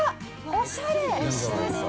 おしゃれ！